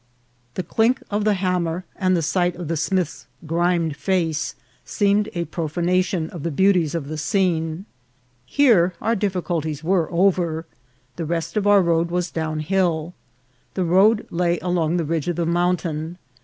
The clink of the ham mer and the sight of a smith's grimed face seemed a profanation of the beauties of the scene. Here our dif ficulties were over ; the rest of our road was down hill. The road lay along the ridge of the mountain.